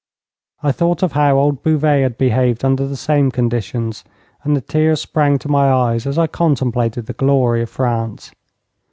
I thought of how old Bouvet had behaved under the same conditions, and the tears sprang to my eyes as I contemplated the glory of France.